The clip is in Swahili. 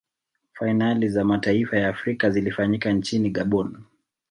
fainali za mataifa ya afrika zilifanyika nchini gabon